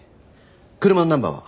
車のナンバーは？